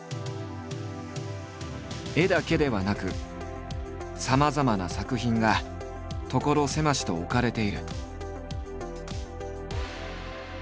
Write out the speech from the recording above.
絵だけではなくさまざまな作品が所狭しと置かれている。